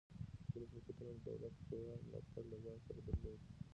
ځینو شرکتونو د دولت پوره ملاتړ له ځان سره درلود